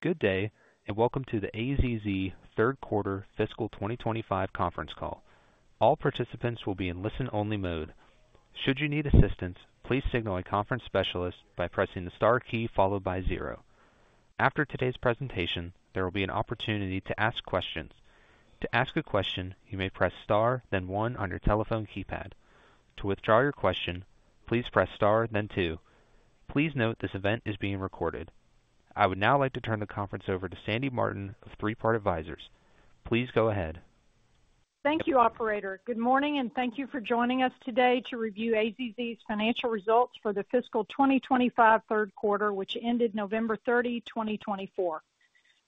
Good day, and welcome to the AZZ Third Quarter Fiscal 2025 Conference Call. All participants will be in listen-only mode. Should you need assistance, please signal a conference specialist by pressing the star key followed by zero. After today's presentation, there will be an opportunity to ask questions. To ask a question, you may press star, then one on your telephone keypad. To withdraw your question, please press star, then two. Please note this event is being recorded. I would now like to turn the conference over to Sandy Martin of Three Part Advisors. Please go ahead. Thank you, Operator. Good morning, and thank you for joining us today to review AZZ's financial results for the fiscal 2025 third quarter, which ended November 30, 2024.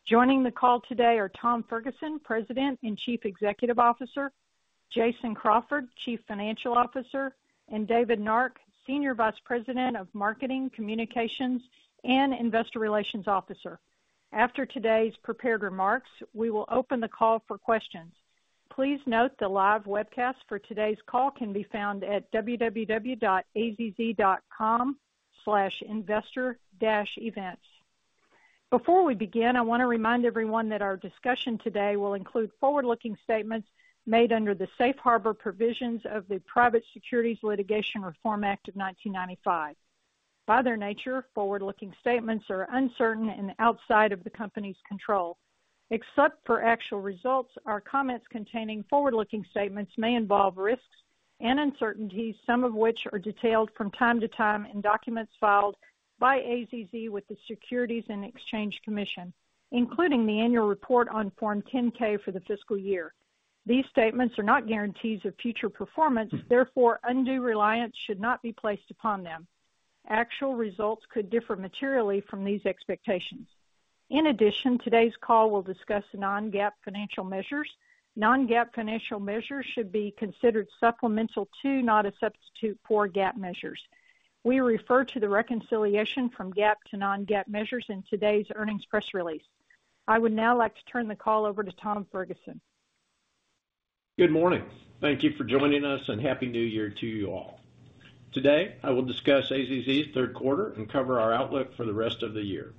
Joining the call today are Tom Ferguson, President and Chief Executive Officer, Jason Crawford, Chief Financial Officer, and David Nark, Senior Vice President of Marketing, Communications, and Investor Relations Officer. After today's prepared remarks, we will open the call for questions. Please note the live webcast for today's call can be found at www.azz.com/investor-events. Before we begin, I want to remind everyone that our discussion today will include forward-looking statements made under the safe harbor provisions of the Private Securities Litigation Reform Act of 1995. By their nature, forward-looking statements are uncertain and outside of the company's control. Except for actual results, our comments containing forward-looking statements may involve risks and uncertainties, some of which are detailed from time to time in documents filed by AZZ with the Securities and Exchange Commission, including the annual report on Form 10-K for the fiscal year. These statements are not guarantees of future performance. Therefore, undue reliance should not be placed upon them. Actual results could differ materially from these expectations. In addition, today's call will discuss non-GAAP financial measures. Non-GAAP financial measures should be considered supplemental to, not a substitute for, GAAP measures. We refer to the reconciliation from GAAP to non-GAAP measures in today's earnings press release. I would now like to turn the call over to Tom Ferguson. Good morning. Thank you for joining us, and happy New Year to you all. Today, I will discuss AZZ's third quarter and cover our outlook for the rest of the year.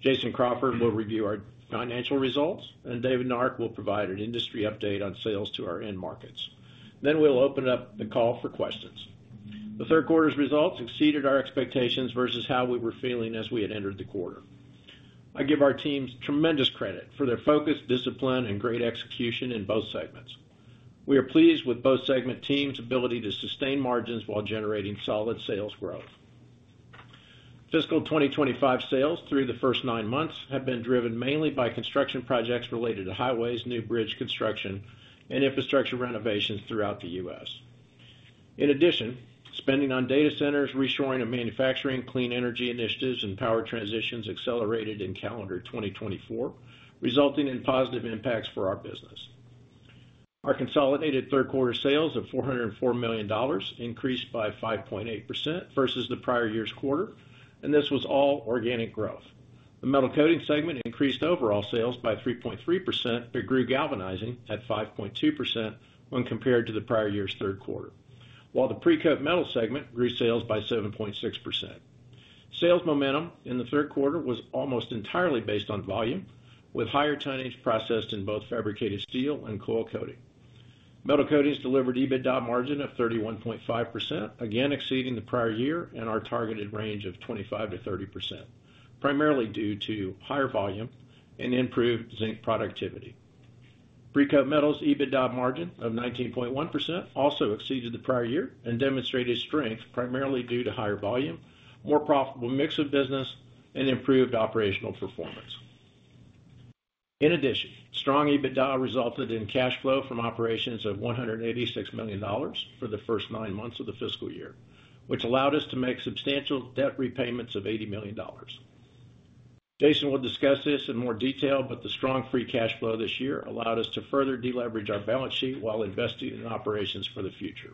Jason Crawford will review our financial results, and David Nark will provide an industry update on sales to our end markets. Then we'll open up the call for questions. The third quarter's results exceeded our expectations versus how we were feeling as we had entered the quarter. I give our teams tremendous credit for their focus, discipline, and great execution in both segments. We are pleased with both segment teams' ability to sustain margins while generating solid sales growth. Fiscal 2025 sales through the first nine months have been driven mainly by construction projects related to highways, new bridge construction, and infrastructure renovations throughout the U.S. In addition, spending on data centers, reshoring of manufacturing, clean energy initiatives, and power transitions accelerated in calendar 2024, resulting in positive impacts for our business. Our consolidated third quarter sales of $404 million increased by 5.8% versus the prior year's quarter, and this was all organic growth. The Metal Coatings segment increased overall sales by 3.3%, but grew galvanizing at 5.2% when compared to the prior year's third quarter, while the Precoat Metals segment grew sales by 7.6%. Sales momentum in the third quarter was almost entirely based on volume, with higher tonnage processed in both fabricated steel and coil coating. Metal Coatings delivered EBITDA margin of 31.5%, again exceeding the prior year and our targeted range of 25%-30%, primarily due to higher volume and improved zinc productivity. Precoat Metals' EBITDA margin of 19.1% also exceeded the prior year and demonstrated strength primarily due to higher volume, more profitable mix of business, and improved operational performance. In addition, strong EBITDA resulted in cash flow from operations of $186 million for the first nine months of the fiscal year, which allowed us to make substantial debt repayments of $80 million. Jason will discuss this in more detail, but the strong free cash flow this year allowed us to further deleverage our balance sheet while investing in operations for the future.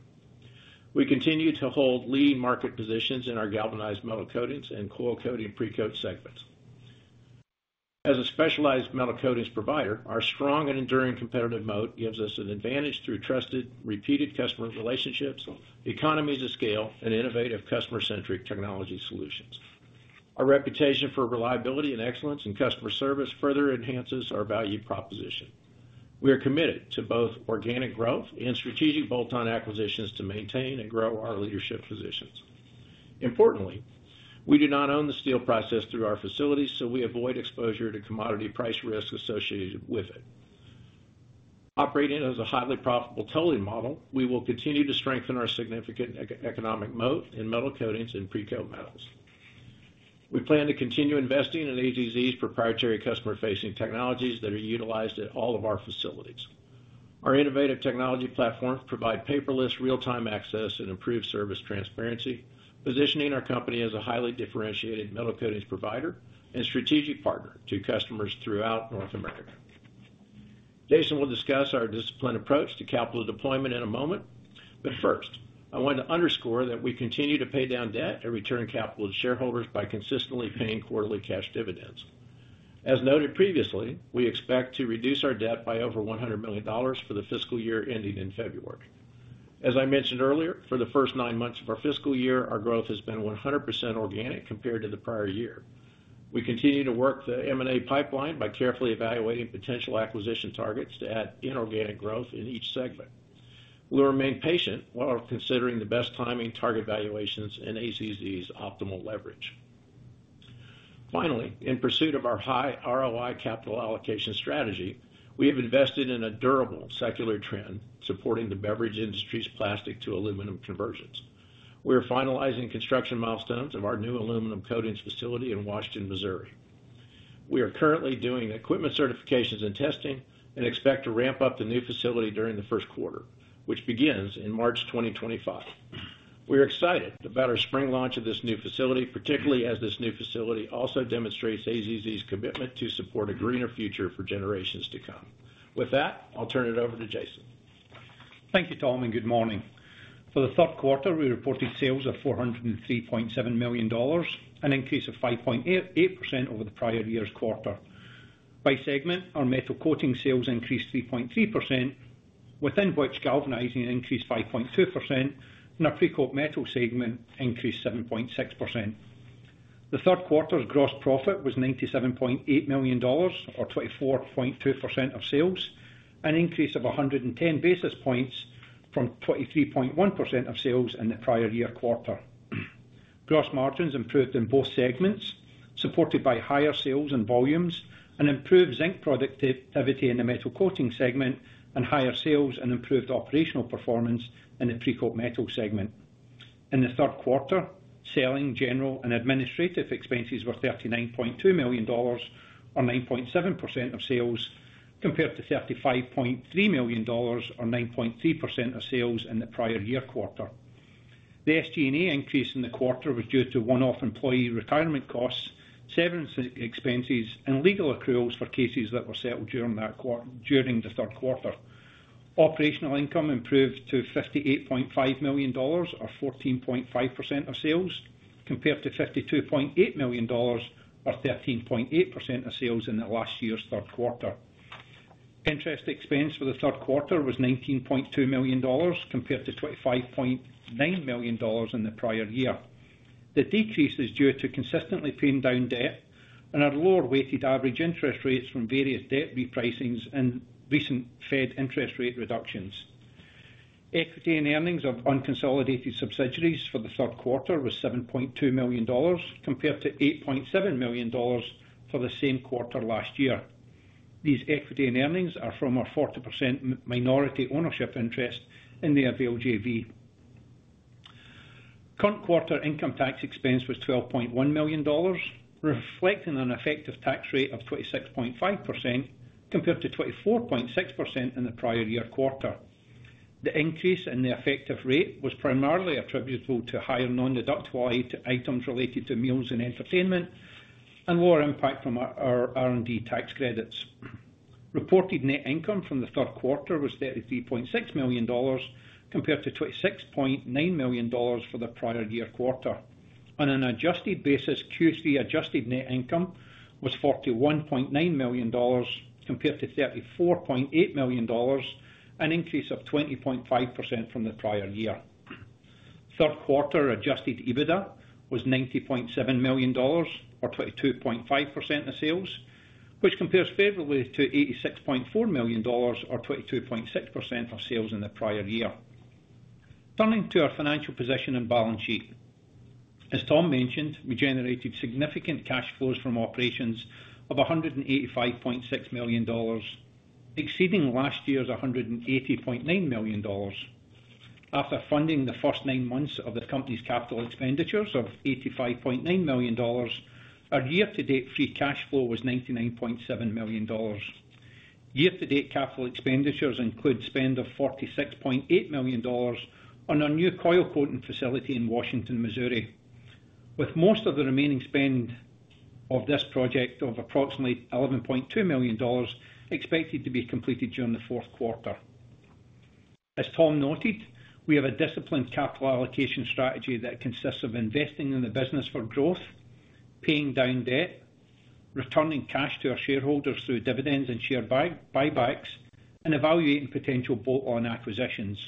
We continue to hold leading market positions in our galvanized metal coatings and coil coating Precoat segments. As a specialized metal coatings provider, our strong and enduring competitive moat gives us an advantage through trusted, repeated customer relationships, economies of scale, and innovative customer-centric technology solutions. Our reputation for reliability and excellence in customer service further enhances our value proposition. We are committed to both organic growth and strategic bolt-on acquisitions to maintain and grow our leadership positions. Importantly, we do not own the steel process through our facilities, so we avoid exposure to commodity price risk associated with it. Operating as a highly profitable tolling model, we will continue to strengthen our significant economic moat in metal coatings and Precoat Metals. We plan to continue investing in AZZ's proprietary customer-facing technologies that are utilized at all of our facilities. Our innovative technology platforms provide paperless real-time access and improved service transparency, positioning our company as a highly differentiated metal coatings provider and strategic partner to customers throughout North America. Jason will discuss our disciplined approach to capital deployment in a moment, but first, I want to underscore that we continue to pay down debt and return capital to shareholders by consistently paying quarterly cash dividends. As noted previously, we expect to reduce our debt by over $100 million for the fiscal year ending in February. As I mentioned earlier, for the first nine months of our fiscal year, our growth has been 100% organic compared to the prior year. We continue to work the M&A pipeline by carefully evaluating potential acquisition targets to add inorganic growth in each segment. We'll remain patient while considering the best timing, target valuations and AZZ's optimal leverage. Finally, in pursuit of our high ROI capital allocation strategy, we have invested in a durable secular trend supporting the beverage industry's plastic to aluminum conversions. We are finalizing construction milestones of our new aluminum coatings facility in Washington, Missouri. We are currently doing equipment certifications and testing and expect to ramp up the new facility during the first quarter, which begins in March 2025. We are excited about our spring launch of this new facility, particularly as this new facility also demonstrates AZZ's commitment to support a greener future for generations to come. With that, I'll turn it over to Jason. Thank you, Tom, and good morning. For the third quarter, we reported sales of $403.7 million, an increase of 5.8% over the prior year's quarter. By segment, our Metal Coatings sales increased 3.3%, within which galvanizing increased 5.2%, and our Precoat Metals segment increased 7.6%. The third quarter's gross profit was $97.8 million, or 24.2% of sales, an increase of 110 basis points from 23.1% of sales in the prior year quarter. Gross margins improved in both segments, supported by higher sales and volumes, and improved zinc productivity in the Metal Coatings segment and higher sales and improved operational performance in the Precoat Metals segment. In the third quarter, selling, general, and administrative expenses were $39.2 million, or 9.7% of sales, compared to $35.3 million, or 9.3% of sales in the prior year quarter. The SG&A increase in the quarter was due to one-off employee retirement costs, severance expenses, and legal accruals for cases that were settled during the third quarter. Operational income improved to $58.5 million, or 14.5% of sales, compared to $52.8 million, or 13.8% of sales in the last year's third quarter. Interest expense for the third quarter was $19.2 million, compared to $25.9 million in the prior year. The decrease is due to consistently paying down debt and our lower-weighted average interest rates from various debt repricings and recent Fed interest rate reductions. Equity and Earnings of unconsolidated subsidiaries for the third quarter was $7.2 million, compared to $8.7 million for the same quarter last year. These equity and earnings are from our 40% minority ownership interest in the AVAIL JV. Current quarter income tax expense was $12.1 million, reflecting an effective tax rate of 26.5% compared to 24.6% in the prior year quarter. The increase in the effective rate was primarily attributable to higher non-deductible items related to meals and entertainment and lower impact from our R&D tax credits. Reported net income from the third quarter was $33.6 million, compared to $26.9 million for the prior year quarter. On an adjusted basis, Q3 adjusted net income was $41.9 million compared to $34.8 million, an increase of 20.5% from the prior year. Third quarter adjusted EBITDA was $90.7 million, or 22.5% of sales, which compares favorably to $86.4 million, or 22.6% of sales in the prior year. Turning to our financial position and balance sheet, as Tom mentioned, we generated significant cash flows from operations of $185.6 million, exceeding last year's $180.9 million. After funding the first nine months of the company's capital expenditures of $85.9 million, our year-to-date free cash flow was $99.7 million. Year-to-date capital expenditures include spend of $46.8 million on our new coil coating facility in Washington, Missouri, with most of the remaining spend of this project of approximately $11.2 million expected to be completed during the fourth quarter. As Tom noted, we have a disciplined capital allocation strategy that consists of investing in the business for growth, paying down debt, returning cash to our shareholders through dividends and share buybacks, and evaluating potential bolt-on acquisitions.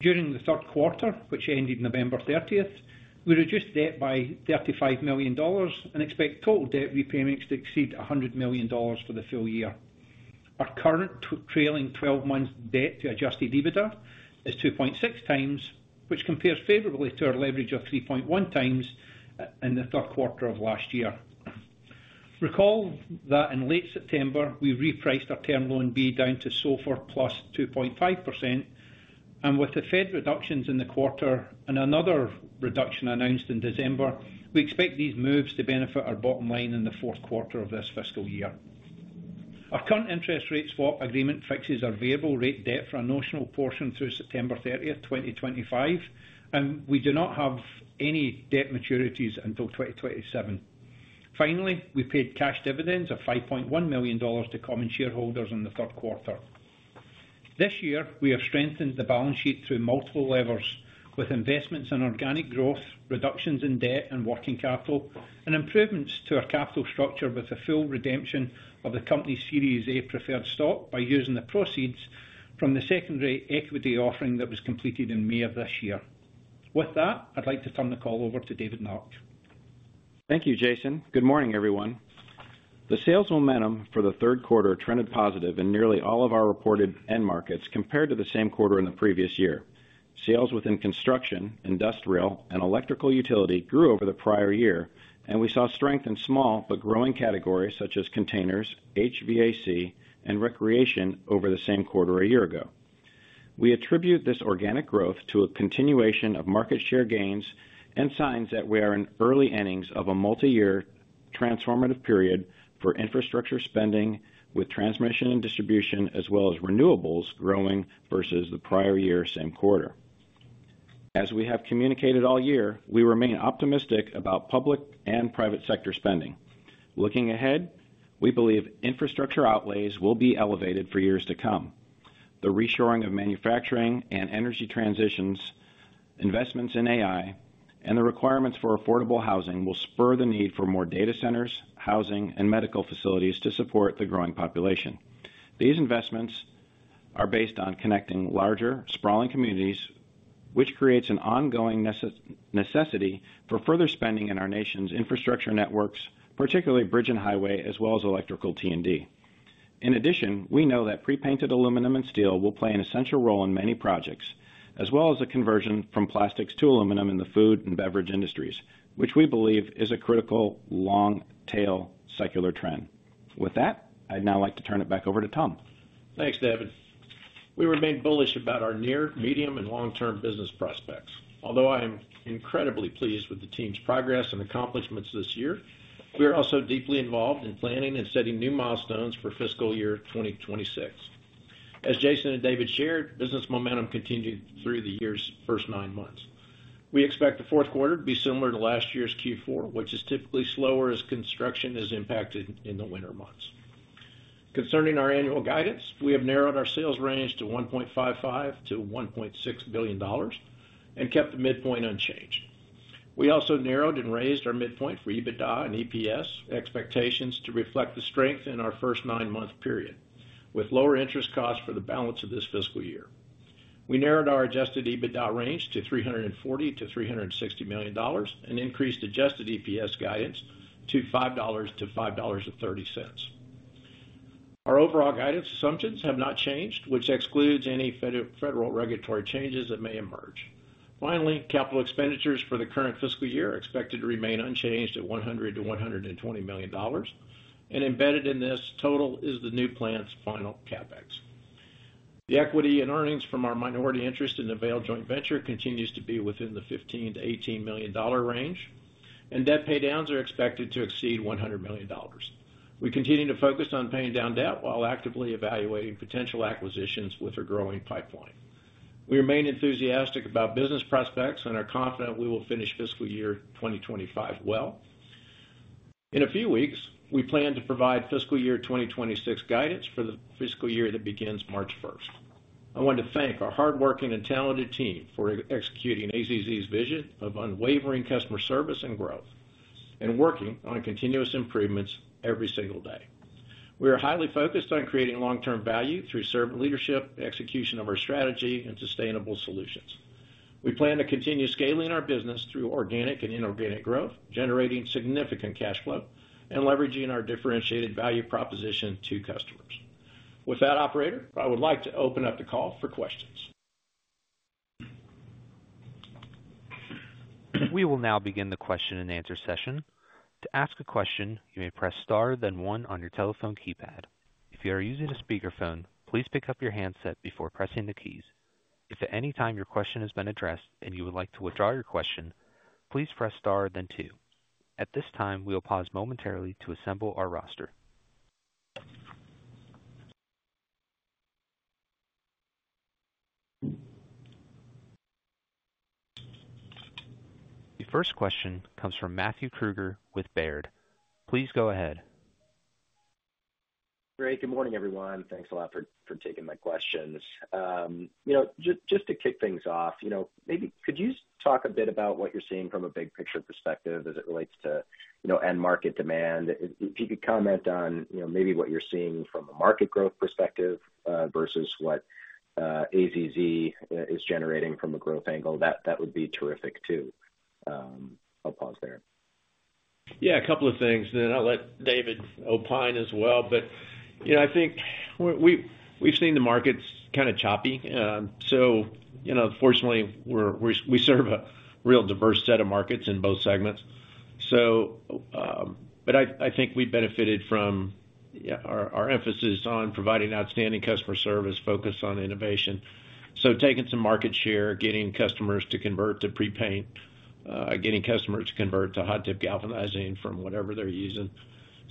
During the third quarter, which ended November 30th, we reduced debt by $35 million and expect total debt repayments to exceed $100 million for the full year. Our current trailing 12 months debt to adjusted EBITDA is 2.6 times, which compares favorably to our leverage of 3.1 times in the third quarter of last year. Recall that in late September, we repriced our term loan B down to SOFR plus 2.5%, and with the Fed reductions in the quarter and another reduction announced in December, we expect these moves to benefit our bottom line in the fourth quarter of this fiscal year. Our current interest rate swap agreement fixes our variable rate debt for a notional portion through September 30th, 2025, and we do not have any debt maturities until 2027. Finally, we paid cash dividends of $5.1 million to common shareholders in the third quarter. This year, we have strengthened the balance sheet through multiple levers, with investments in organic growth, reductions in debt and working capital, and improvements to our capital structure with a full redemption of the company's Series A preferred stock by using the proceeds from the secondary equity offering that was completed in May of this year. With that, I'd like to turn the call over to David Nark. Thank you, Jason. Good morning, everyone. The sales momentum for the third quarter trended positive in nearly all of our reported end markets compared to the same quarter in the previous year. Sales within construction, industrial, and electrical utility grew over the prior year, and we saw strength in small but growing categories such as containers, HVAC, and recreation over the same quarter a year ago. We attribute this organic growth to a continuation of market share gains and signs that we are in early innings of a multi-year transformative period for infrastructure spending, with transmission and distribution, as well as renewables growing versus the prior year same quarter. As we have communicated all year, we remain optimistic about public and private sector spending. Looking ahead, we believe infrastructure outlays will be elevated for years to come. The reshoring of manufacturing and energy transitions, investments in AI, and the requirements for affordable housing will spur the need for more data centers, housing, and medical facilities to support the growing population. These investments are based on connecting larger, sprawling communities, which creates an ongoing necessity for further spending in our nation's infrastructure networks, particularly bridge and highway, as well as electrical T&D. In addition, we know that pre-painted aluminum and steel will play an essential role in many projects, as well as a conversion from plastics to aluminum in the food and beverage industries, which we believe is a critical long-tail secular trend. With that, I'd now like to turn it back over to Tom. Thanks, David. We remain bullish about our near, medium, and long-term business prospects. Although I am incredibly pleased with the team's progress and accomplishments this year, we are also deeply involved in planning and setting new milestones for fiscal year 2026. As Jason and David shared, business momentum continued through the year's first nine months. We expect the fourth quarter to be similar to last year's Q4, which is typically slower as construction is impacted in the winter months. Concerning our annual guidance, we have narrowed our sales range to $1.55-$1.6 billion and kept the midpoint unchanged. We also narrowed and raised our midpoint for EBITDA and EPS expectations to reflect the strength in our first nine-month period, with lower interest costs for the balance of this fiscal year. We narrowed our Adjusted EBITDA range to $340-$360 million and increased Adjusted EPS guidance to $5-$5.30. Our overall guidance assumptions have not changed, which excludes any federal regulatory changes that may emerge. Finally, capital expenditures for the current fiscal year are expected to remain unchanged at $100-$120 million, and embedded in this total is the new plant's final CapEx. The equity and earnings from our minority interest in AVAIL Joint Venture continue to be within the $15-$18 million range, and debt paydowns are expected to exceed $100 million. We continue to focus on paying down debt while actively evaluating potential acquisitions with a growing pipeline. We remain enthusiastic about business prospects and are confident we will finish fiscal year 2025 well. In a few weeks, we plan to provide fiscal year 2026 guidance for the fiscal year that begins March 1st. I want to thank our hardworking and talented team for executing AZZ's vision of unwavering customer service and growth, and working on continuous improvements every single day. We are highly focused on creating long-term value through servant leadership, execution of our strategy, and sustainable solutions. We plan to continue scaling our business through organic and inorganic growth, generating significant cash flow, and leveraging our differentiated value proposition to customers. With that, Operator, I would like to open up the call for questions. We will now begin the question and answer session. To ask a question, you may press star, then one on your telephone keypad. If you are using a speakerphone, please pick up your handset before pressing the keys. If at any time your question has been addressed and you would like to withdraw your question, please press star, then two. At this time, we will pause momentarily to assemble our roster. The first question comes from Matthew Krueger with Baird. Please go ahead. Great. Good morning, everyone. Thanks a lot for taking my questions. Just to kick things off, maybe could you talk a bit about what you're seeing from a big-picture perspective as it relates to end market demand? If you could comment on maybe what you're seeing from a market growth perspective versus what AZZ is generating from a growth angle, that would be terrific too. I'll pause there. Yeah, a couple of things, and then I'll let David opine as well. But I think we've seen the markets kind of choppy. So, fortunately, we serve a real diverse set of markets in both segments. But I think we benefited from our emphasis on providing outstanding customer service focused on innovation. So, taking some market share, getting customers to convert to pre-paint, getting customers to convert to hot-dip galvanizing from whatever they're using.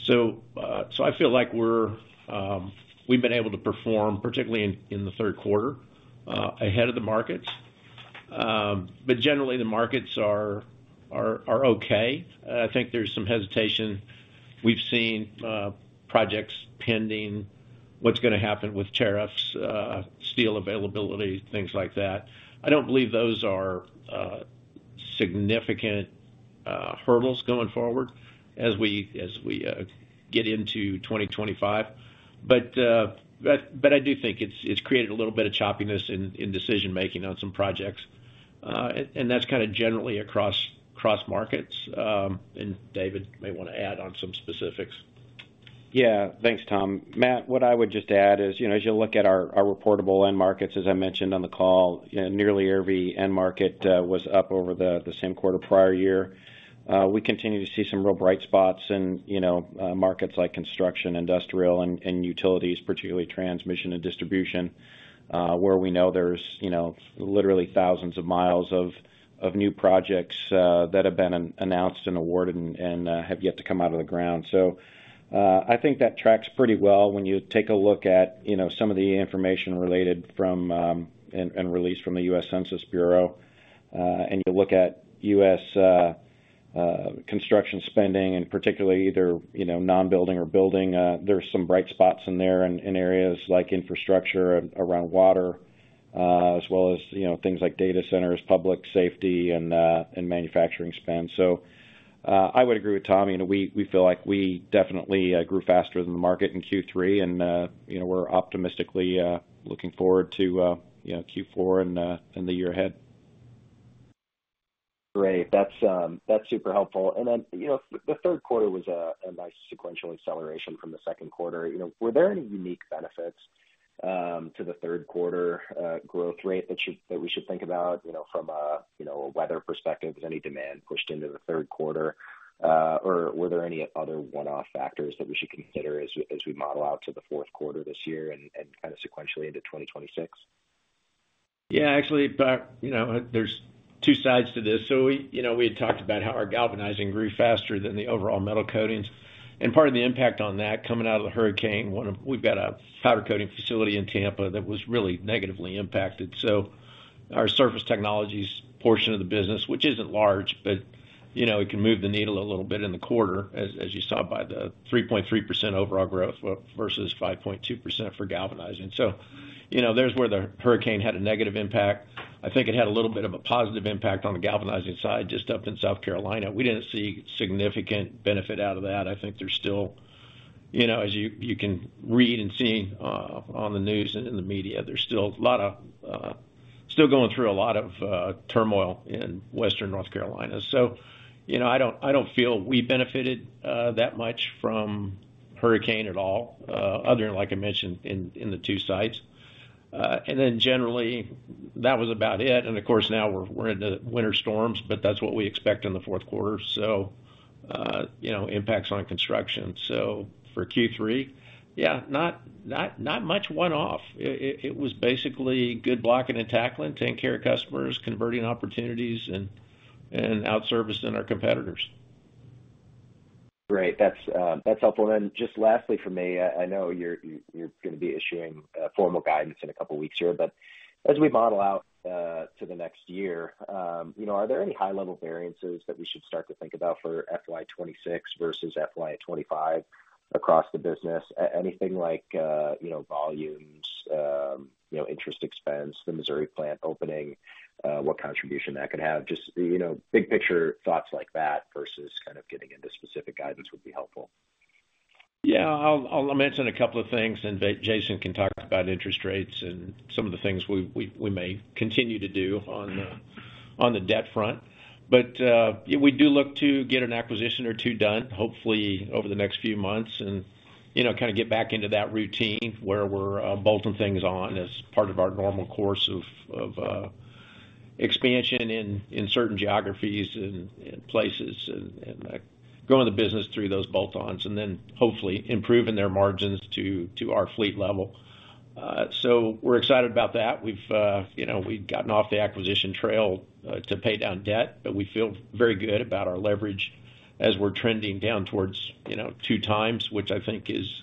So, I feel like we've been able to perform, particularly in the third quarter, ahead of the markets. But generally, the markets are okay. I think there's some hesitation. We've seen projects pending, what's going to happen with tariffs, steel availability, things like that. I don't believe those are significant hurdles going forward as we get into 2025. But I do think it's created a little bit of choppiness in decision-making on some projects. And that's kind of generally across markets. And David may want to add on some specifics. Yeah, thanks, Tom. Matt, what I would just add is, as you look at our reportable end markets, as I mentioned on the call, nearly every end market was up over the same quarter prior year. We continue to see some real bright spots in markets like construction, industrial, and utilities, particularly transmission and distribution, where we know there's literally thousands of miles of new projects that have been announced and awarded and have yet to come out of the ground. So, I think that tracks pretty well when you take a look at some of the information related from and released from the U.S. Census Bureau, and you look at U.S. construction spending, and particularly either non-building or building, there's some bright spots in there in areas like infrastructure around water, as well as things like data centers, public safety, and manufacturing spend. So, I would agree with Tom. We feel like we definitely grew faster than the market in Q3, and we're optimistically looking forward to Q4 and the year ahead. Great. That's super helpful, and then the third quarter was a nice sequential acceleration from the second quarter. Were there any unique benefits to the third quarter growth rate that we should think about from a weather perspective? Was any demand pushed into the third quarter? Or were there any other one-off factors that we should consider as we model out to the fourth quarter this year and kind of sequentially into 2026? Yeah, actually, there's two sides to this. So, we had talked about how our galvanizing grew faster than the overall metal coatings. And part of the impact on that coming out of the hurricane, we've got a powder coating facility in Tampa that was really negatively impacted. So, our surface technologies portion of the business, which isn't large, but it can move the needle a little bit in the quarter, as you saw by the 3.3% overall growth versus 5.2% for galvanizing. So, there's where the hurricane had a negative impact. I think it had a little bit of a positive impact on the galvanizing side just up in South Carolina. We didn't see significant benefit out of that. I think there's still, as you can read and see on the news and in the media, a lot going through a lot of turmoil in Western North Carolina. So, I don't feel we benefited that much from the hurricane at all, other than, like I mentioned, in the two sites. And then generally, that was about it. And of course, now we're into winter storms, but that's what we expect in the fourth quarter, so impacts on construction. So, for Q3, yeah, not much one-off. It was basically good blocking and tackling, taking care of customers, converting opportunities, and outservicing our competitors. Great. That's helpful. And then just lastly for me, I know you're going to be issuing formal guidance in a couple of weeks here, but as we model out to the next year, are there any high-level variances that we should start to think about for FY26 versus FY25 across the business? Anything like volumes, interest expense, the Missouri plant opening, what contribution that could have? Just big-picture thoughts like that versus kind of getting into specific guidance would be helpful. Yeah, I'll mention a couple of things, and Jason can talk about interest rates and some of the things we may continue to do on the debt front. But we do look to get an acquisition or two done, hopefully over the next few months, and kind of get back into that routine where we're bolting things on as part of our normal course of expansion in certain geographies and places and growing the business through those bolt-ons and then hopefully improving their margins to our fleet level. We're excited about that. We've gotten off the acquisition trail to pay down debt, but we feel very good about our leverage as we're trending down towards two times, which I think is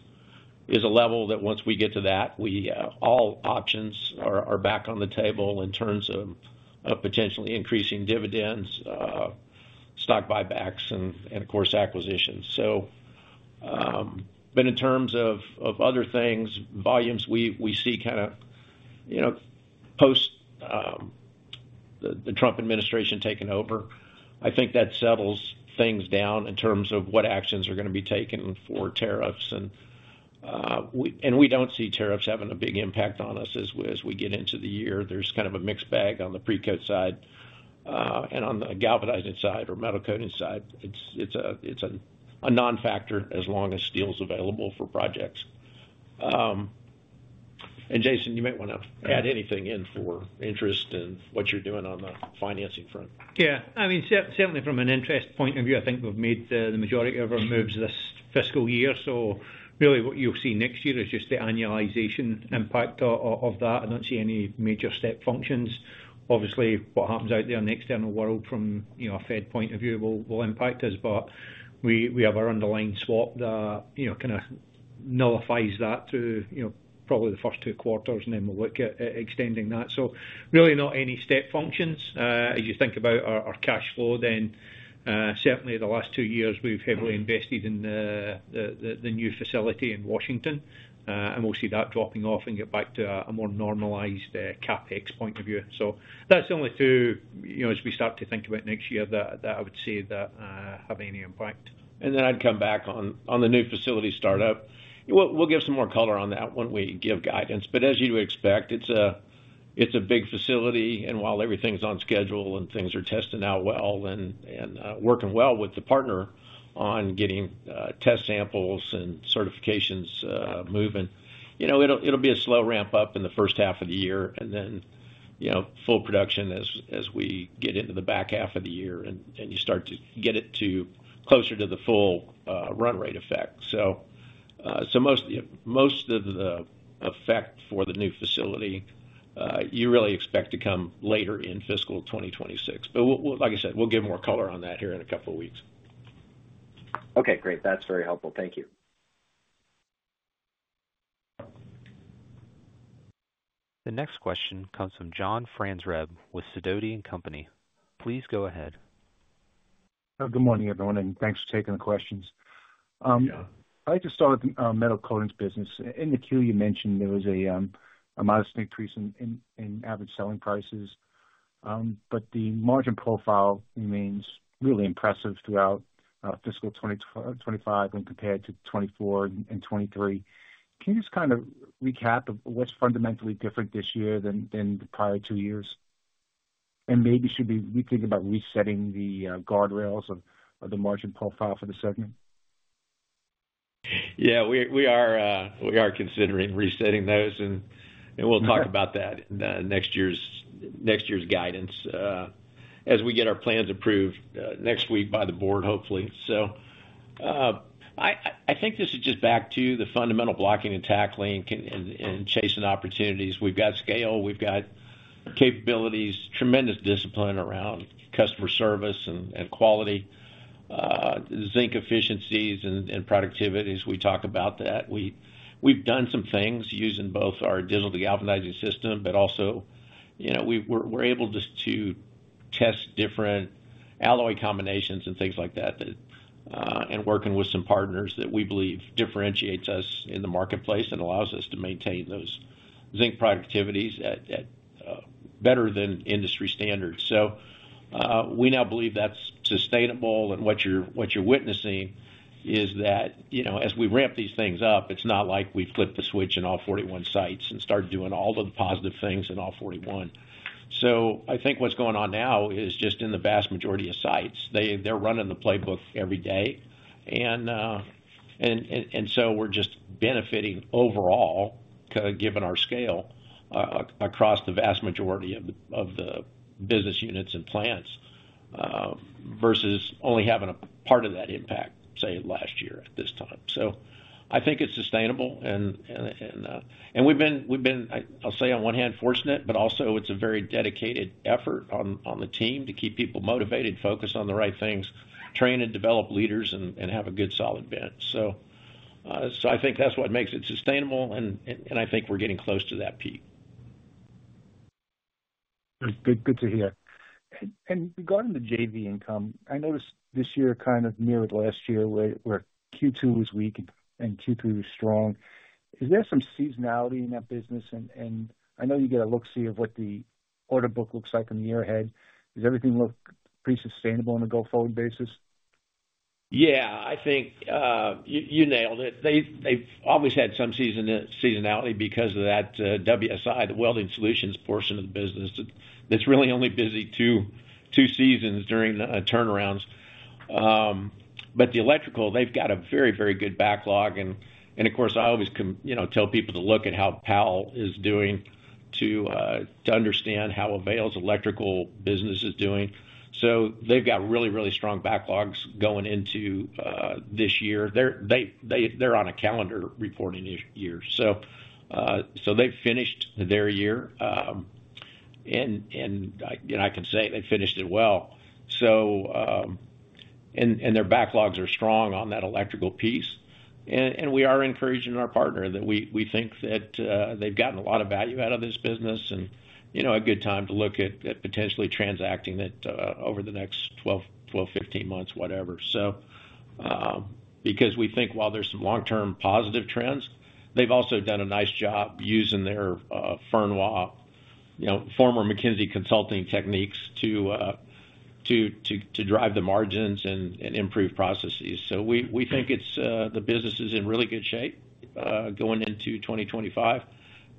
a level that once we get to that, all options are back on the table in terms of potentially increasing dividends, stock buybacks, and of course, acquisitions. So, but in terms of other things, volumes we see kind of post the Trump administration taking over, I think that settles things down in terms of what actions are going to be taken for tariffs. And we don't see tariffs having a big impact on us as we get into the year. There's kind of a mixed bag on the Precoat side and on the galvanizing side or metal coating side. It's a non-factor as long as steel's available for projects. And Jason, you might want to add anything in for interest and what you're doing on the financing front. Yeah. I mean, certainly from an interest point of view, I think we've made the majority of our moves this fiscal year. So, really, what you'll see next year is just the annualization impact of that. I don't see any major step functions. Obviously, what happens out there in the external world from a Fed point of view will impact us, but we have our underlying swap that kind of nullifies that through probably the first two quarters, and then we'll look at extending that. So, really, not any step functions. As you think about our cash flow, then certainly the last two years, we've heavily invested in the new facility in Washington and we'll see that dropping off and get back to a more normalized CapEx point of view. So, that's the only two as we start to think about next year that I would say that have any impact. And then I'd come back on the new facility startup. We'll give some more color on that when we give guidance. But as you'd expect, it's a big facility. And while everything's on schedule and things are testing out well and working well with the partner on getting test samples and certifications moving, it'll be a slow ramp up in the first half of the year and then full production as we get into the back half of the year and you start to get it closer to the full run rate effect. So, most of the effect for the new facility, you really expect to come later in fiscal 2026. But like I said, we'll give more color on that here in a couple of weeks. Okay. Great. That's very helpful. Thank you. The next question comes from John Franzreb with Sidoti & Company. Please go ahead. Good morning, everyone, and thanks for taking the questions. I'd like to start with the metal coatings business. In the 10-Q, you mentioned there was a modest increase in average selling prices, but the margin profile remains really impressive throughout fiscal 2025 when compared to 2024 and 2023. Can you just kind of recap what's fundamentally different this year than the prior two years? And maybe should we be thinking about resetting the guardrails of the margin profile for the segment? Yeah, we are considering resetting those, and we'll talk about that in next year's guidance as we get our plans approved next week by the board, hopefully. So, I think this is just back to the fundamental blocking and tackling and chasing opportunities. We've got scale, we've got capabilities, tremendous discipline around customer service and quality, zinc efficiencies and productivities. We talk about that. We've done some things using both our Digital Galvanizing System, but also we're able to test different alloy combinations and things like that and working with some partners that we believe differentiates us in the marketplace and allows us to maintain those zinc productivities better than industry standards. So, we now believe that's sustainable. What you're witnessing is that as we ramp these things up, it's not like we've flipped the switch in all 41 sites and started doing all of the positive things in all 41. So, I think what's going on now is just in the vast majority of sites, they're running the playbook every day. And so we're just benefiting overall, given our scale, across the vast majority of the business units and plants versus only having a part of that impact, say, last year at this time. So, I think it's sustainable. And we've been, I'll say on one hand, fortunate, but also it's a very dedicated effort on the team to keep people motivated, focus on the right things, train and develop leaders, and have a good solid bent. So, I think that's what makes it sustainable, and I think we're getting close to that peak. Good to hear. And regarding the JV income, I noticed this year kind of mirrored last year where Q2 was weak and Q3 was strong. Is there some seasonality in that business? And I know you get a look-see of what the order book looks like in the year ahead. Does everything look pretty sustainable on a go-forward basis? Yeah, I think you nailed it. They've always had some seasonality because of that WSI, the welding solutions portion of the business that's really only busy two seasons during turnarounds. But the electrical, they've got a very, very good backlog. And of course, I always tell people to look at how Powell is doing to understand how AVAIL's electrical business is doing. So, they've got really, really strong backlogs going into this year. They're on a calendar reporting year. So, they've finished their year. And I can say they finished it well. And their backlogs are strong on that electrical piece. And we are encouraging our partner that we think that they've gotten a lot of value out of this business and a good time to look at potentially transacting it over the next 12, 15 months, whatever. So, because we think while there's some long-term positive trends, they've also done a nice job using their framework, former McKinsey consulting techniques to drive the margins and improve processes. So, we think the business is in really good shape going into 2025.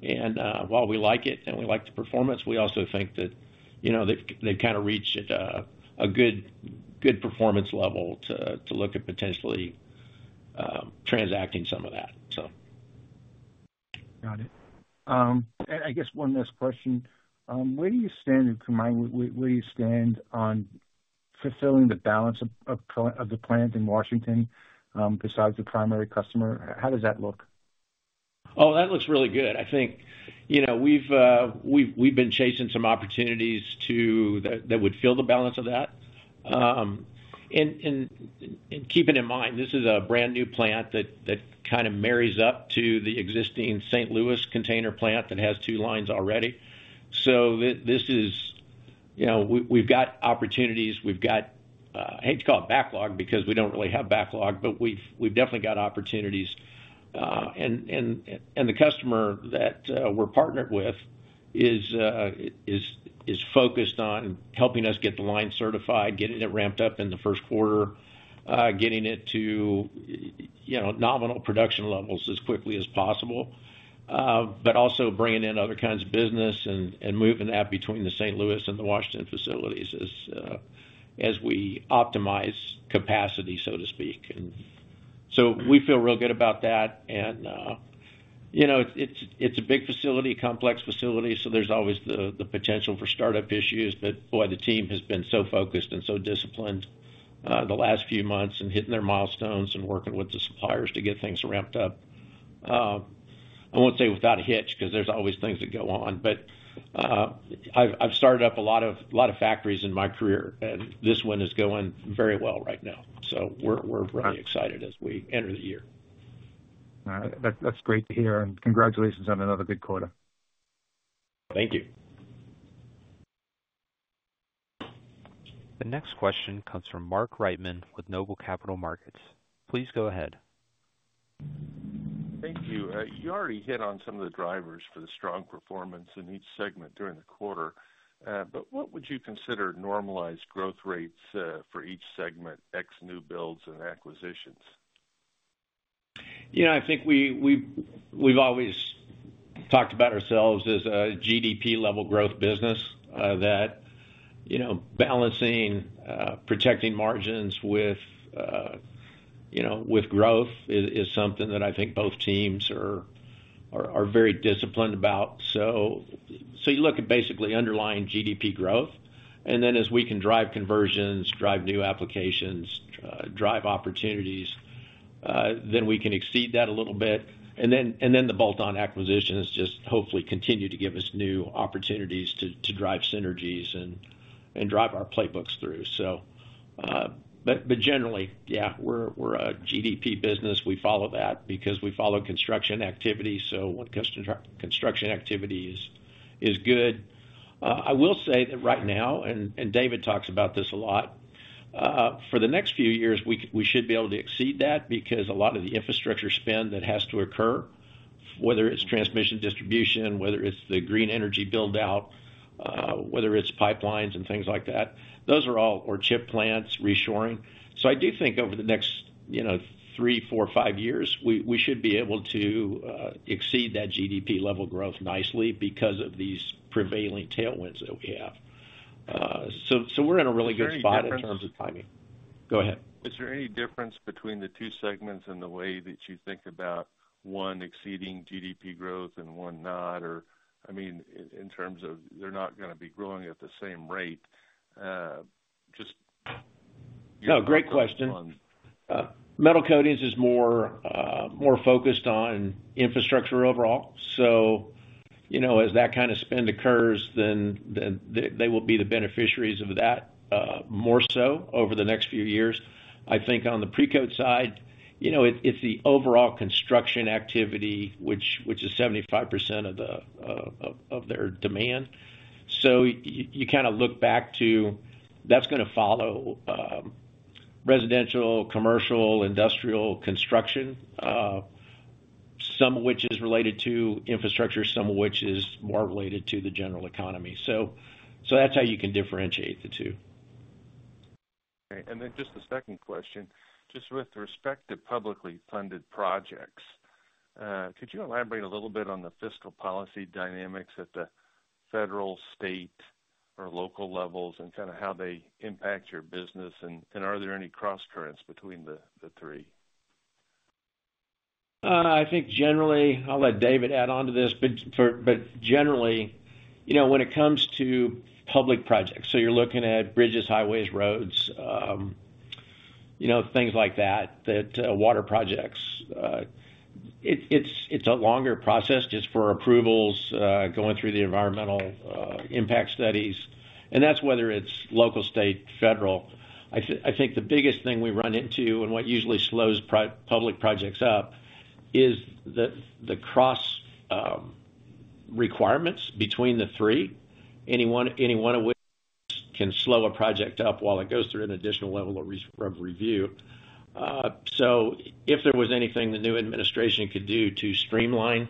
And while we like it and we like the performance, we also think that they've kind of reached a good performance level to look at potentially transacting some of that, so. Got it, and I guess one last question. Where do you stand on commitments? Where do you stand on fulfilling the balance of the plant in Washington besides the primary customer? How does that look? Oh, that looks really good. I think we've been chasing some opportunities that would fill the balance of that. And keeping in mind, this is a brand new plant that kind of marries up to the existing St. Louis container plant that has two lines already. So, this is we've got opportunities. We've got, I hate to call it backlog because we don't really have backlog, but we've definitely got opportunities. And the customer that we're partnered with is focused on helping us get the line certified, getting it ramped up in the first quarter, getting it to nominal production levels as quickly as possible, but also bringing in other kinds of business and moving that between the St. Louis and the Washington facilities as we optimize capacity, so to speak. And so, we feel real good about that. And it's a big facility, complex facility, so there's always the potential for startup issues. But boy, the team has been so focused and so disciplined the last few months and hitting their milestones and working with the suppliers to get things ramped up. I won't say without a hitch because there's always things that go on, but I've started up a lot of factories in my career, and this one is going very well right now. So, we're really excited as we enter the year. All right. That's great to hear. And congratulations on another good quarter. Thank you. The next question comes from Mark Reichman with Noble Capital Markets. Please go ahead. Thank you. You already hit on some of the drivers for the strong performance in each segment during the quarter. But what would you consider normalized growth rates for each segment, ex new builds and acquisitions? I think we've always talked about ourselves as a GDP-level growth business, that balancing protecting margins with growth is something that I think both teams are very disciplined about. So, you look at basically underlying GDP growth, and then as we can drive conversions, drive new applications, drive opportunities, then we can exceed that a little bit. And then the bolt-on acquisitions just hopefully continue to give us new opportunities to drive synergies and drive our playbooks through. So, but generally, yeah, we're a GDP business. We follow that because we follow construction activity. So, when construction activity is good, I will say that right now, and David talks about this a lot. For the next few years, we should be able to exceed that because a lot of the infrastructure spend that has to occur, whether it's transmission distribution, whether it's the green energy build-out, whether it's pipelines and things like that, those are all or chip plants, reshoring. So, I do think over the next three, four, five years, we should be able to exceed that GDP-level growth nicely because of these prevailing tailwinds that we have. So, we're in a really good spot in terms of timing. Go ahead. Is there any difference between the two segments in the way that you think about one exceeding GDP growth and one not? Or I mean, in terms of they're not going to be growing at the same rate. No, great question. Metal Coatings is more focused on infrastructure overall. So, as that kind of spend occurs, then they will be the beneficiaries of that more so over the next few years. I think on the Precoat side, it's the overall construction activity, which is 75% of their demand. So, you kind of look back to that's going to follow residential, commercial, industrial construction, some of which is related to infrastructure, some of which is more related to the general economy. So, that's how you can differentiate the two. Okay. And then just the second question, just with respect to publicly funded projects, could you elaborate a little bit on the fiscal policy dynamics at the federal, state, or local levels and kind of how they impact your business? And are there any cross currents between the three? I think generally, I'll let David add on to this, but generally, when it comes to public projects, so you're looking at bridges, highways, roads, things like that, water projects, it's a longer process just for approvals, going through the environmental impact studies, and that's whether it's local, state, federal. I think the biggest thing we run into and what usually slows public projects up is the cross requirements between the three, any one of which can slow a project up while it goes through an additional level of review, so if there was anything the new administration could do to streamline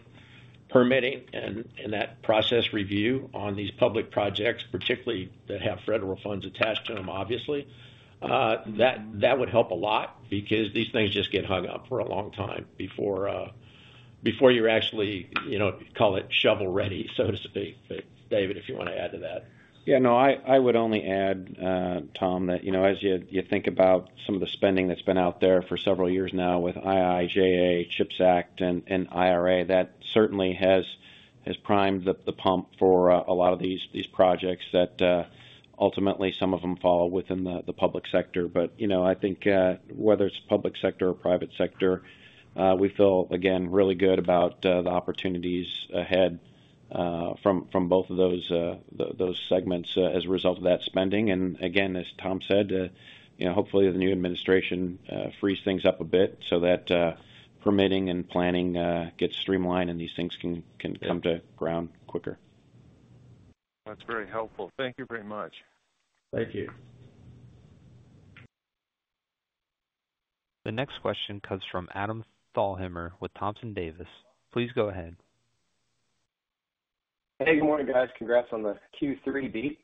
permitting and that process review on these public projects, particularly that have federal funds attached to them, obviously, that would help a lot because these things just get hung up for a long time before you actually call it shovel-ready, so to speak. But David, if you want to add to that. Yeah. No, I would only add, Tom, that as you think about some of the spending that's been out there for several years now with IIJA, CHIPS Act, and IRA, that certainly has primed the pump for a lot of these projects that ultimately some of them fall within the public sector. But I think whether it's public sector or private sector, we feel, again, really good about the opportunities ahead from both of those segments as a result of that spending. And again, as Tom said, hopefully the new administration frees things up a bit so that permitting and planning gets streamlined and these things can come to ground quicker. That's very helpful. Thank you very much. Thank you. The next question comes from Adam Thalhimer with Thompson Davis. Please go ahead. Hey, good morning, guys. Congrats on the Q3 beat.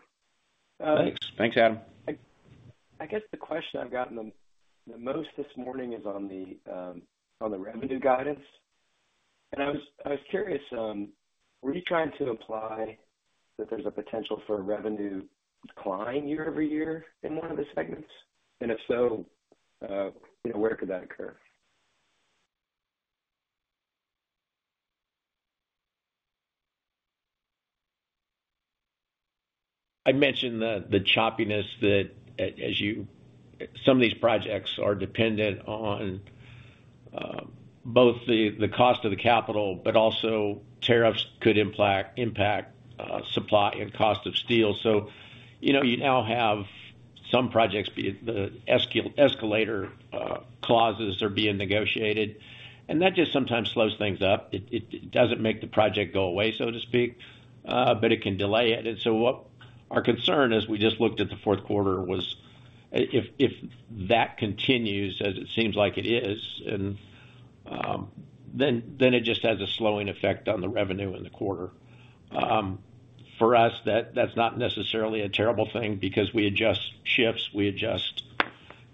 Thanks. Thanks, Adam. I guess the question I've gotten the most this morning is on the revenue guidance. And I was curious, were you trying to imply that there's a potential for revenue decline year over year in one of the segments? And if so, where could that occur? I'd mentioned the choppiness that some of these projects are dependent on both the cost of the capital, but also tariffs could impact supply and cost of steel. So, you now have some projects, the escalator clauses are being negotiated, and that just sometimes slows things up. It doesn't make the project go away, so to speak, but it can delay it, and so our concern, as we just looked at the fourth quarter, was if that continues, as it seems like it is, then it just has a slowing effect on the revenue in the quarter. For us, that's not necessarily a terrible thing because we adjust shifts, we adjust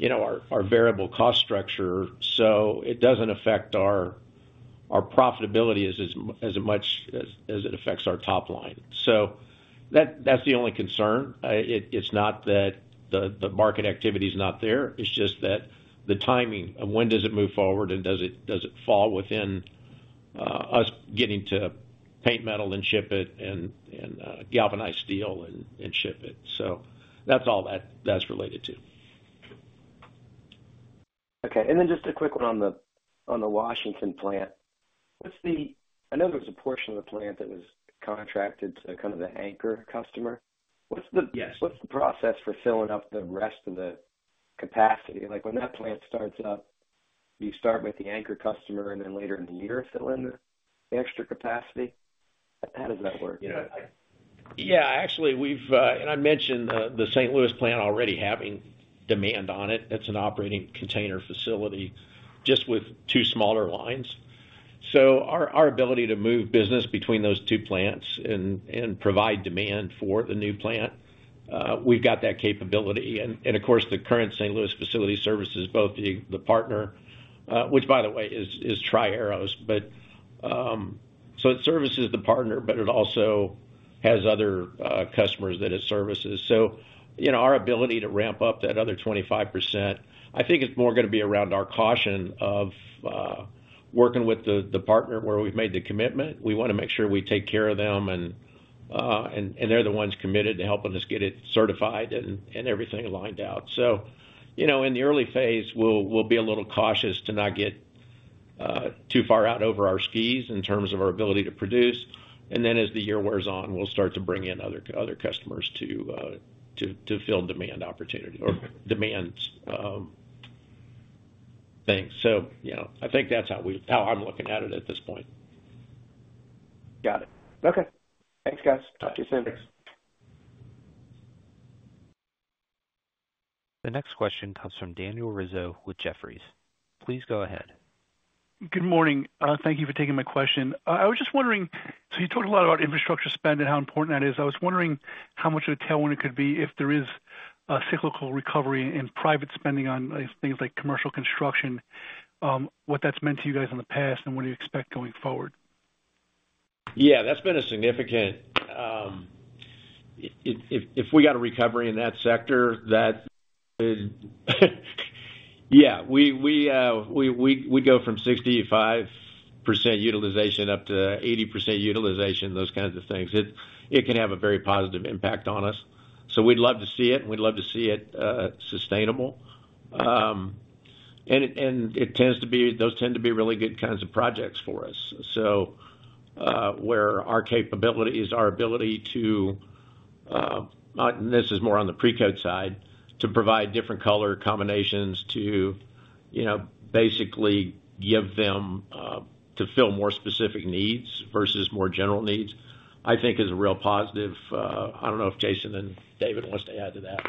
our variable cost structure, so it doesn't affect our profitability as much as it affects our top line, so that's the only concern. It's not that the market activity is not there. It's just that the timing of when does it move forward and does it fall within us getting to paint metal and ship it and galvanized steel and ship it. So, that's all that's related to. Okay. And then just a quick one on the Washington plant. I know there was a portion of the plant that was contracted to kind of the anchor customer. What's the process for filling up the rest of the capacity? When that plant starts up, you start with the anchor customer and then later in the year fill in the extra capacity? How does that work? Yeah. Actually, and I mentioned the St. Louis plant already having demand on it. It's an operating container facility just with two smaller lines. So, our ability to move business between those two plants and provide demand for the new plant, we've got that capability. And of course, the current St. Louis facility services both the partner, which by the way is Tri-Arrows. So, it services the partner, but it also has other customers that it services. So, our ability to ramp up that other 25%, I think it's more going to be around our caution of working with the partner where we've made the commitment. We want to make sure we take care of them and they're the ones committed to helping us get it certified and everything lined out. So, in the early phase, we'll be a little cautious to not get too far out over our skis in terms of our ability to produce. And then as the year wears on, we'll start to bring in other customers to fill demand opportunity or demand things. So, I think that's how I'm looking at it at this point. Got it. Okay. Thanks, guys. Talk to you soon. Thanks. The next question comes from Daniel Rizzo with Jefferies. Please go ahead. Good morning. Thank you for taking my question. I was just wondering, so you talked a lot about infrastructure spend and how important that is. I was wondering how much of a tailwind it could be if there is a cyclical recovery in private spending on things like commercial construction, what that's meant to you guys in the past, and what do you expect going forward? Yeah. That's been a significant if we got a recovery in that sector, that yeah, we go from 65% utilization up to 80% utilization, those kinds of things. It can have a very positive impact on us. So, we'd love to see it, and we'd love to see it sustainable, and it tends to be those really good kinds of projects for us. So, where our capabilities, our ability to, and this is more on the Precoat side, to provide different color combinations to basically give them to fill more specific needs versus more general needs, I think is a real positive. I don't know if Jason and David want to add to that.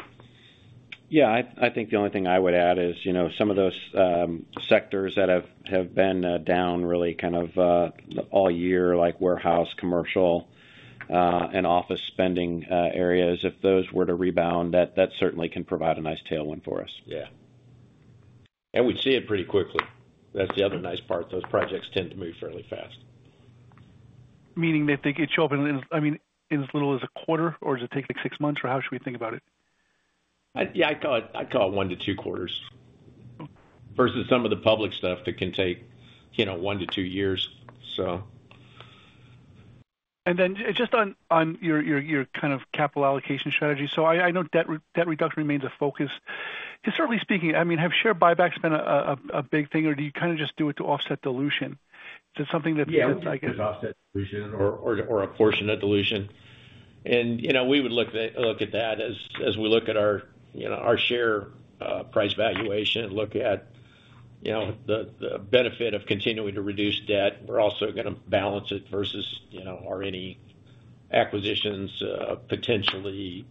Yeah. I think the only thing I would add is some of those sectors that have been down really kind of all year, like warehouse, commercial, and office spending areas, if those were to rebound, that certainly can provide a nice tailwind for us. Yeah. And we'd see it pretty quickly. That's the other nice part. Those projects tend to move fairly fast. Meaning they think it shows up in as little as a quarter, or does it take like six months, or how should we think about it? Yeah. I call it one to two quarters versus some of the public stuff that can take one to two years, so. And then just on your kind of capital allocation strategy, so I know debt reduction remains a focus. Certainly speaking, I mean, have share buybacks been a big thing, or do you kind of just do it to offset dilution? Is it something that's. Yeah. It's offset dilution or a portion of dilution, and we would look at that as we look at our share price valuation and look at the benefit of continuing to reduce debt. We're also going to balance it versus are any acquisitions potentially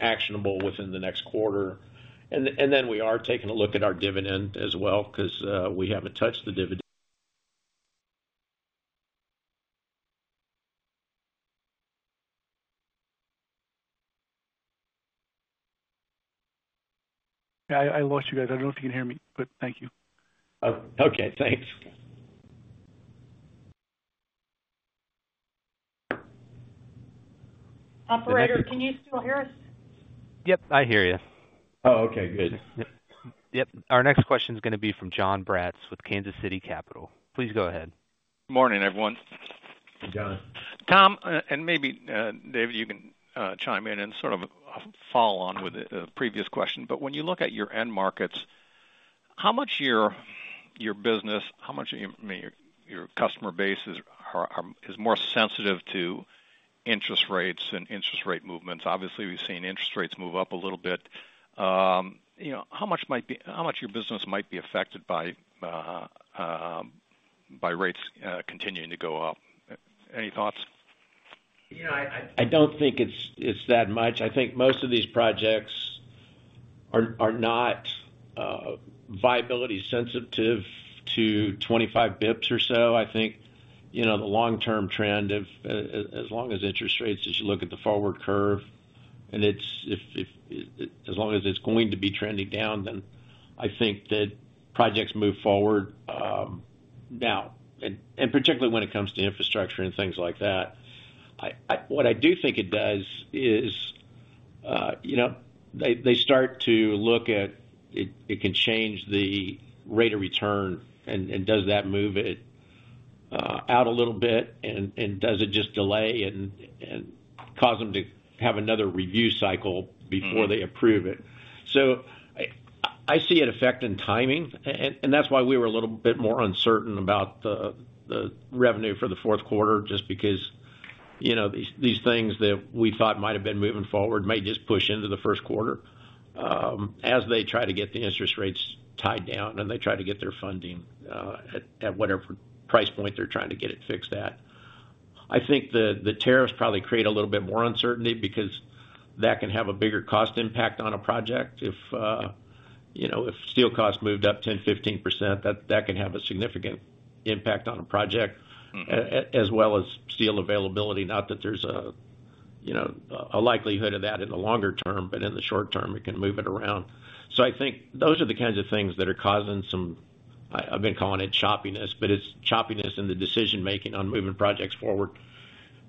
actionable within the next quarter, and then we are taking a look at our dividend as well because we haven't touched the dividend. I lost you guys. I don't know if you can hear me, but thank you. Okay. Thanks. Operator, can you still hear us? Yep. I hear you. Oh, okay. Good. Yep. Our next question is going to be from Jon Braatz with Kansas City Capital. Please go ahead. Good morning, everyone. Jon. Tom, and maybe David, you can chime in and sort of follow on with the previous question. But when you look at your end markets, how much of your business, how much of your customer base is more sensitive to interest rates and interest rate movements? Obviously, we've seen interest rates move up a little bit. How much might your business be affected by rates continuing to go up? Any thoughts? I don't think it's that much. I think most of these projects are not viability sensitive to 25 basis points or so. I think the long-term trend, as long as interest rates as you look at the forward curve, and as long as it's going to be trending down, then I think that projects move forward now, and particularly when it comes to infrastructure and things like that. What I do think it does is they start to look at it can change the rate of return, and does that move it out a little bit, and does it just delay and cause them to have another review cycle before they approve it? So I see an effect in timing, and that's why we were a little bit more uncertain about the revenue for the fourth quarter just because these things that we thought might have been moving forward may just push into the first quarter as they try to get the interest rates tied down and they try to get their funding at whatever price point they're trying to get it fixed at. I think the tariffs probably create a little bit more uncertainty because that can have a bigger cost impact on a project. If steel costs moved up 10%-15%, that can have a significant impact on a project as well as steel availability. Not that there's a likelihood of that in the longer term, but in the short term, it can move it around. So I think those are the kinds of things that are causing some. I've been calling it choppiness, but it's choppiness in the decision-making on moving projects forward.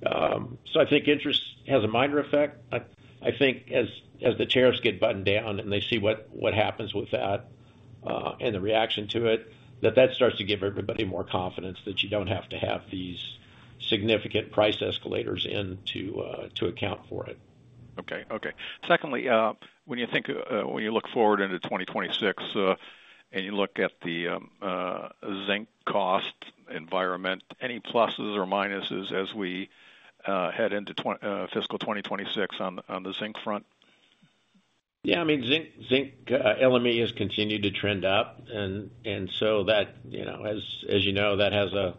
So I think interest has a minor effect. I think as the tariffs get buttoned down and they see what happens with that and the reaction to it, that that starts to give everybody more confidence that you don't have to have these significant price escalators into account for it. Okay. Okay. Secondly, when you look forward into 2026 and you look at the zinc cost environment, any pluses or minuses as we head into fiscal 2026 on the zinc front? Yeah. I mean, zinc LME has continued to trend up. And so as you know, that has an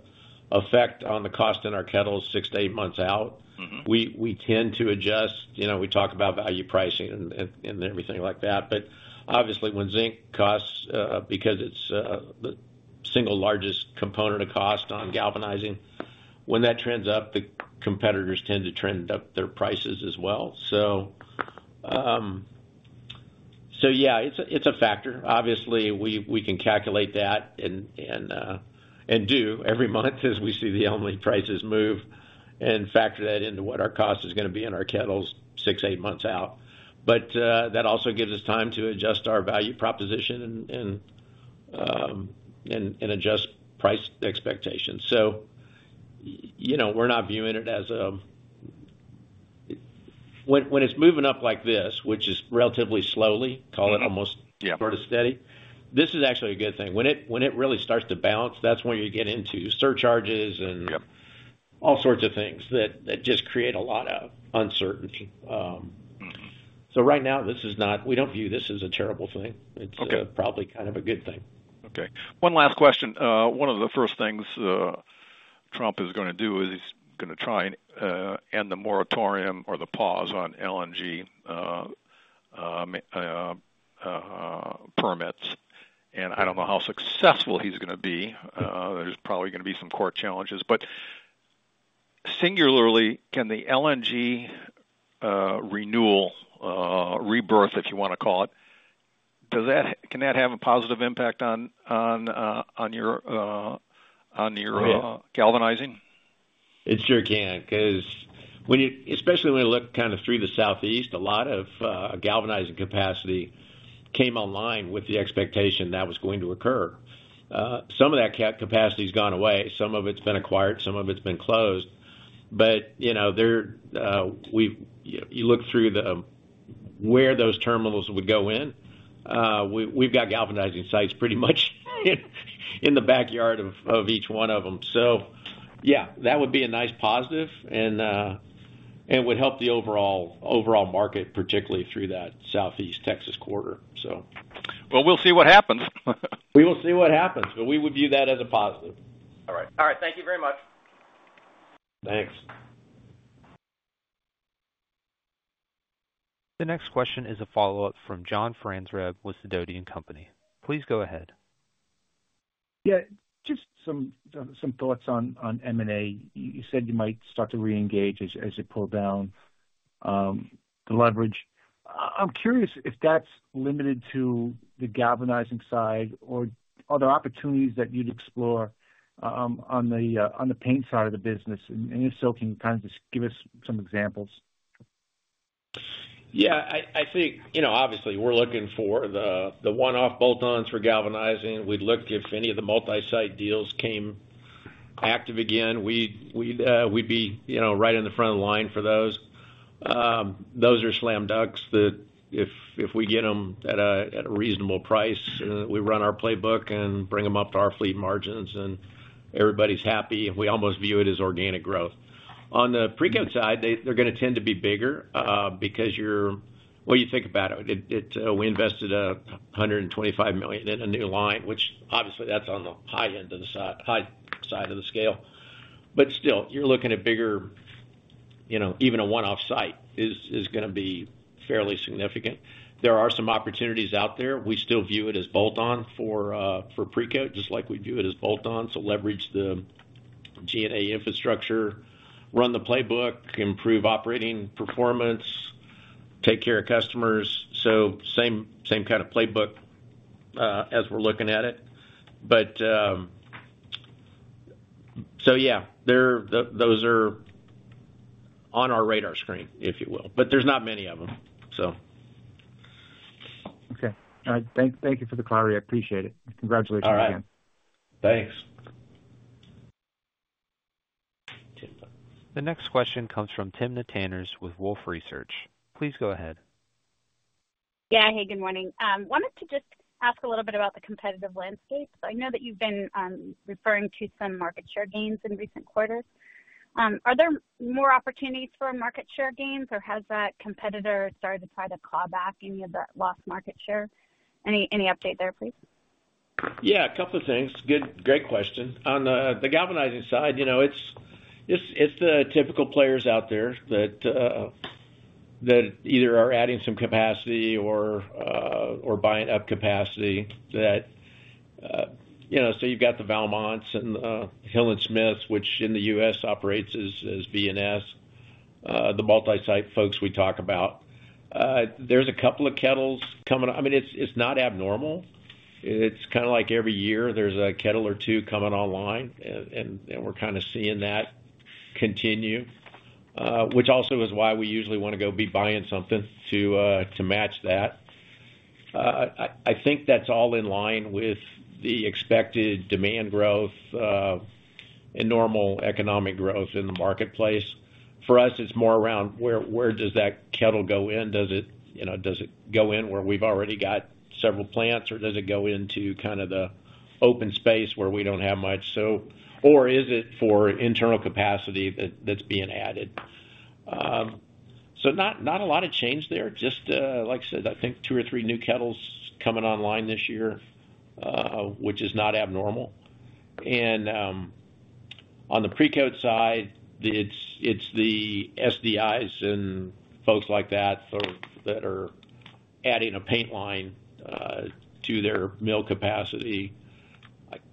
effect on the cost in our kettles six to eight months out. We tend to adjust. We talk about value pricing and everything like that. But obviously, when zinc costs, because it's the single largest component of cost on galvanizing, when that trends up, the competitors tend to trend up their prices as well. So yeah, it's a factor. Obviously, we can calculate that and do every month as we see the LME prices move and factor that into what our cost is going to be in our kettles six to eight months out. But that also gives us time to adjust our value proposition and adjust price expectations. So we're not viewing it as when it's moving up like this, which is relatively slowly, call it almost sort of steady, this is actually a good thing. When it really starts to bounce, that's when you get into surcharges and all sorts of things that just create a lot of uncertainty. So right now, we don't view this as a terrible thing. It's probably kind of a good thing. Okay. One last question. One of the first things Trump is going to do is he's going to try and end the moratorium or the pause on LNG permits. And I don't know how successful he's going to be. There's probably going to be some court challenges. But singularly, can the LNG renewal, rebirth, if you want to call it, can that have a positive impact on your galvanizing? It sure can because especially when you look kind of through the southeast, a lot of galvanizing capacity came online with the expectation that was going to occur. Some of that capacity has gone away. Some of it's been acquired. Some of it's been closed. But you look through where those terminals would go in, we've got galvanizing sites pretty much in the backyard of each one of them. So yeah, that would be a nice positive and would help the overall market, particularly through that southeast Texas quarter, so. We'll see what happens. We will see what happens, but we would view that as a positive. All right. All right. Thank you very much. Thanks. The next question is a follow-up from John Franzreb with Sidoti & Company. Please go ahead. Yeah. Just some thoughts on M&A. You said you might start to re-engage as you pull down the leverage. I'm curious if that's limited to the galvanizing side or other opportunities that you'd explore on the paint side of the business. And if so, can you kind of just give us some examples? Yeah. I think obviously, we're looking for the one-off bolt-ons for galvanizing. We'd look if any of the multi-site deals came active again. We'd be right in the front of the line for those. Those are slam dunks that if we get them at a reasonable price, we run our playbook and bring them up to our fleet margins and everybody's happy. We almost view it as organic growth. On the Precoat side, they're going to tend to be bigger because you're, well, you think about it. We invested $125 million in a new line, which obviously that's on the high end of the side of the scale. But still, you're looking at bigger, even a one-off site is going to be fairly significant. There are some opportunities out there. We still view it as bolt-on for Precoat just like we view it as bolt-on. So leverage the G&A infrastructure, run the playbook, improve operating performance, take care of customers. So same kind of playbook as we're looking at it. So yeah, those are on our radar screen, if you will. But there's not many of them, so. Okay. All right. Thank you for the clarity. I appreciate it. Congratulations again. All right. Thanks. The next question comes from Timna Tanners with Wolfe Research. Please go ahead. Yeah. Hey, good morning. Wanted to just ask a little bit about the competitive landscape. I know that you've been referring to some market share gains in recent quarters. Are there more opportunities for market share gains, or has that competitor started to try to claw back any of that lost market share? Any update there, please? Yeah. A couple of things. Great question. On the galvanizing side, it's the typical players out there that either are adding some capacity or buying up capacity. So you've got the Valmont and the Hill & Smith, which in the U.S. operates as V&S, the multi-site folks we talk about. There's a couple of kettles coming on. I mean, it's not abnormal. It's kind of like every year there's a kettle or two coming online, and we're kind of seeing that continue, which also is why we usually want to go be buying something to match that. I think that's all in line with the expected demand growth and normal economic growth in the marketplace. For us, it's more around where does that kettle go in? Does it go in where we've already got several plants, or does it go into kind of the open space where we don't have much? Or is it for internal capacity that's being added? Not a lot of change there. Just like I said, I think two or three new kettles coming online this year, which is not abnormal. On the Precoat side, it's the SDIs and folks like that that are adding a paint line to their mill capacity.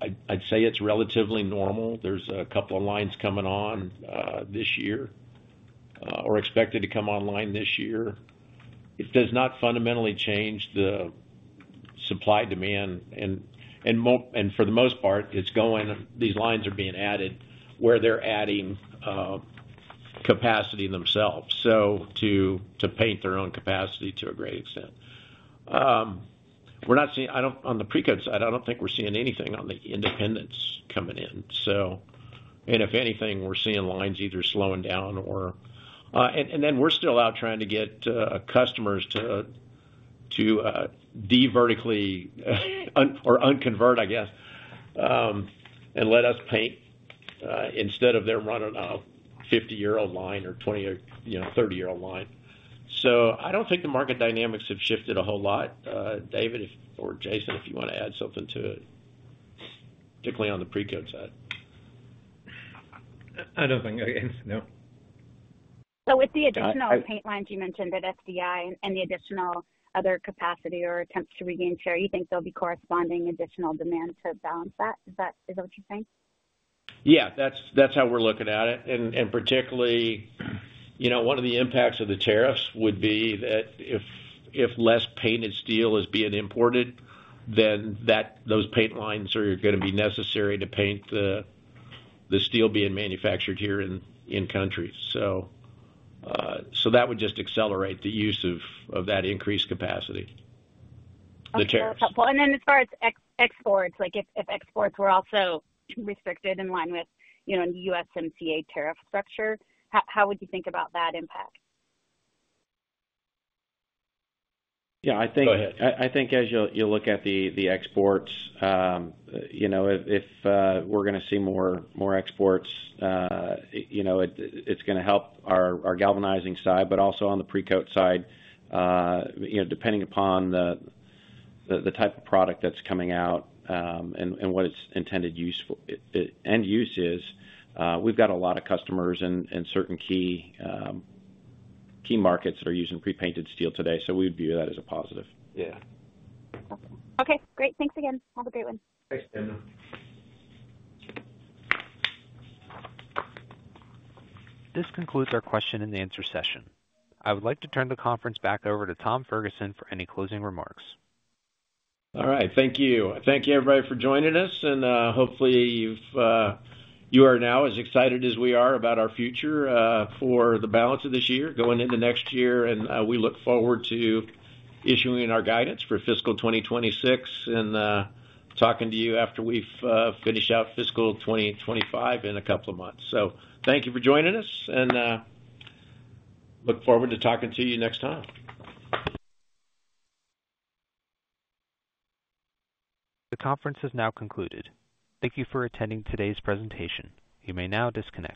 I'd say it's relatively normal. There's a couple of lines coming on this year or expected to come online this year. It does not fundamentally change the supply demand. For the most part, these lines are being added where they're adding capacity themselves to paint their own capacity to a great extent. On the Precoat side, I don't think we're seeing anything on the independents coming in. If anything, we're seeing lines either slowing down or, and then we're still out trying to get customers to de-vertically or unconvert, I guess, and let us paint instead of them running a 50-year-old line or 20 or 30-year-old line. So I don't think the market dynamics have shifted a whole lot. David or Jason, if you want to add something to it, particularly on the Precoat side. I don't think. No. So with the additional paint lines you mentioned, that SDI and the additional other capacity or attempts to regain share, you think there'll be corresponding additional demand to balance that? Is that what you're saying? Yeah. That's how we're looking at it. And particularly, one of the impacts of the tariffs would be that if less painted steel is being imported, then those paint lines are going to be necessary to paint the steel being manufactured here in the country. So that would just accelerate the use of that increased capacity, the tariffs. Okay. That's helpful, and then as far as exports, if exports were also restricted in line with the USMCA tariff structure, how would you think about that impact? Yeah. I think. Go ahead. I think as you look at the exports, if we're going to see more exports, it's going to help our galvanizing side, but also on the Precoat side, depending upon the type of product that's coming out and what its intended use is. We've got a lot of customers in certain key markets that are using pre-painted steel today. So we would view that as a positive. Yeah. Okay. Great. Thanks again. Have a great one. Thanks, Tim. This concludes our question-and-answer session. I would like to turn the conference back over to Tom Ferguson for any closing remarks. All right. Thank you. Thank you, everybody, for joining us. And hopefully, you are now as excited as we are about our future for the balance of this year, going into next year. And we look forward to issuing our guidance for fiscal 2026 and talking to you after we've finished out fiscal 2025 in a couple of months. So thank you for joining us, and look forward to talking to you next time. The conference has now concluded. Thank you for attending today's presentation. You may now disconnect.